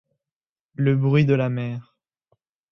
Le bruit de la mer.